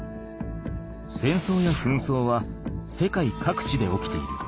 戦争や紛争は世界各地で起きている。